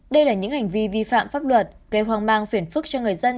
đây là những hành vi vi phạm pháp luật gây hoang mang phiền phức cho người dân